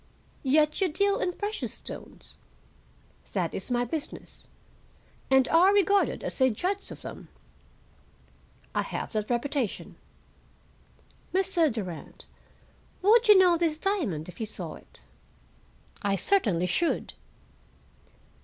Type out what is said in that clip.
"Yet you deal in precious stones?" "That is my business." "And are regarded as a judge of them?" "I have that reputation." "Mr. Durand, would you know this diamond if you saw it?" "I certainly should."